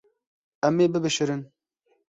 Em ê bibişirin.